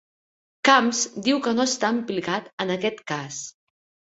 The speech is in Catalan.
Camps diu que no està implicat en aquest cas